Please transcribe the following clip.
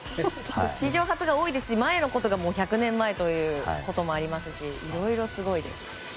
史上初が多いですし前のことがもう、１００年前ということもありますしいろいろすごいです。